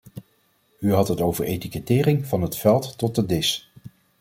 U had het over etikettering van het veld tot de dis.